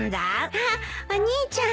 あっお兄ちゃん。